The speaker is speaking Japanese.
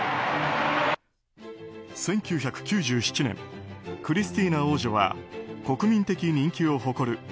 １９９７年クリスティーナ王女は国民的人気を誇る